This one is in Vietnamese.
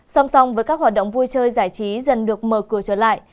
song song với các hoạt động vui chơi giải trí dần được mở cửa trở lại